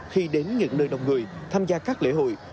khi đến những nơi đông người tham gia các lễ hội